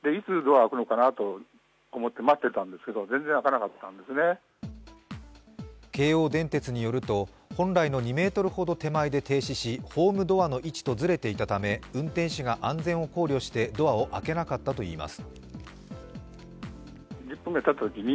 しかし京王電鉄によると、本来の２ｍほど手前で停止し、ホームドアの位置とずれていたため、運転士が安全を考慮してドアを開けなかったといいます。